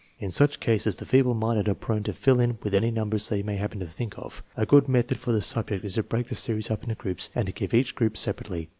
In such cases the feeble minded are prone to fill in with any numbers they may happen to think of. A good method for the subject is to break the series up into groups and to give each group separately.